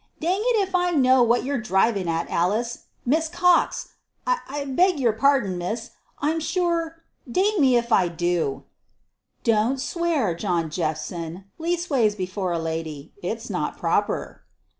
"Dang it if I know what you're a drivin' at, Alice! Miss Cox! and I beg yer pardon, miss, I'm sure. Dang me if I do!" "Don't swear, John Jephson leastways before a lady. It's not proper."